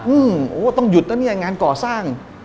อืมโอ้ต้องหยุดนะเนี่ยงานก่อสร้าง